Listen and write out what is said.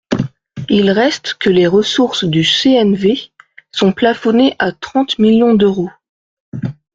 Il reste que les ressources du CNV sont plafonnées à trente millions d’euros.